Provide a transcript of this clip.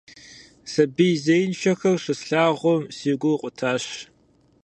Сабий зеиншэхэр щыслъагъум, си гур къутащ.